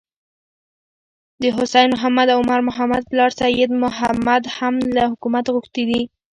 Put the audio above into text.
د حسين محمد او عمر محمد پلار سيد محمد هم له حکومته غوښتي چې: